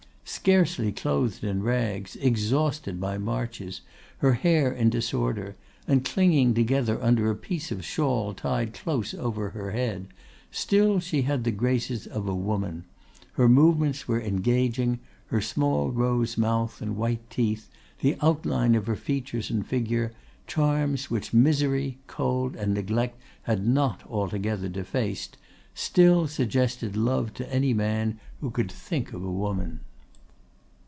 Scarcely clothed in rags, exhausted by marches, her hair in disorder, and clinging together under a piece of a shawl tied close over her head, still she had the graces of a woman; her movements were engaging, her small rose mouth and white teeth, the outline of her features and figure, charms which misery, cold, and neglect had not altogether defaced, still suggested love to any man who could think of a woman.